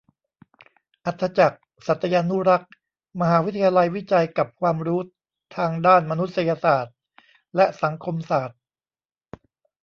อรรถจักร์ สัตยานุรักษ์ : มหาวิทยาลัยวิจัยกับความรู้ทางด้านมนุษยศาสตร์และสังคมศาสตร์